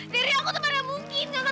teri aku tuh pada mungkin gak akan badan kamu